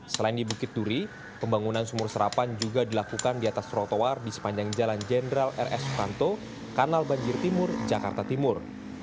selain di bukit duri pembangunan sumur serapan juga dilakukan di atas trotoar di sepanjang jalan jenderal rs suranto kanal banjir timur jakarta timur